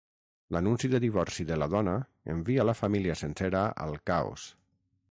L'anunci de divorci de la dona envia la família sencera al caos.